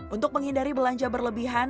untuk menghindari belanja berlebihan